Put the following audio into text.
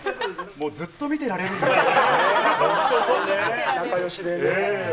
もう、ずっと見てられるんで仲よしでね。